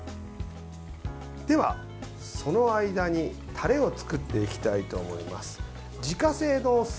では、その間にタレを作っていきたいと思います。